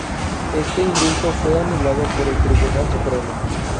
Este indulto fue anulado por el Tribunal Supremo.